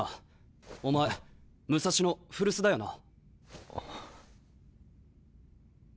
お前武蔵野古巣だよな？